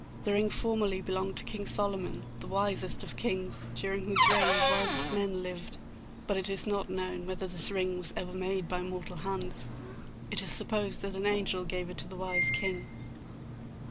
The ring formerly belonged to King Solomon, the wisest of kings, during whose reign the wisest men lived. But it is not known whether this ring was ever made by mortal hands: it is supposed that an angel gave it to the wise King.